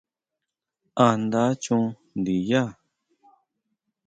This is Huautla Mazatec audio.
¿A nda chon ndinyá?